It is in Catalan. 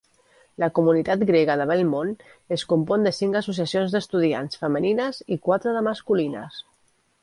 La comunitat grega de Belmont es compon de cinc associacions d'estudiants femenines i quatre de masculines.